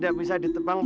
aku sudah berhenti